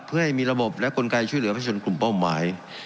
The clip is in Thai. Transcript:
เพื่อให้มีระบบและกลไกช่วยเหลือพระชนกลุ่มเป้าหมาย